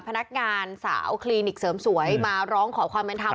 พนักงานสาวคลินิกเสริมสวยมาร้องขอความเป็นธรรม